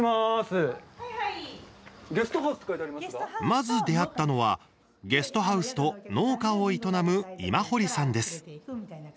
まず、出会ったのはゲストハウスと農家を営む今堀さんです。